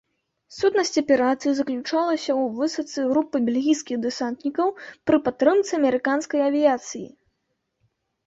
Сутнасць аперацыі заключалася ў высадцы групы бельгійскіх дэсантнікаў пры падтрымцы амерыканскай авіяцыі.